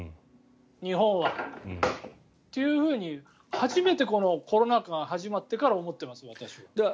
日本はというふうに初めてコロナ禍が始まってから思っています、私は。